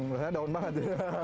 biasanya daun banget